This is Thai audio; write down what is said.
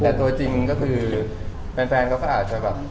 แต่ตัวจริงก็คือแฟนเขาก็อาจจะแบบ